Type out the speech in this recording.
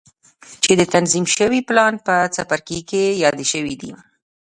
چې د تنظيم شوي پلان په څپرکي کې يادې شوې دي.